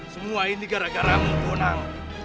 semua ini gara garamu bonang